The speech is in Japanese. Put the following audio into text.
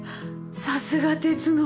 さすが鉄の。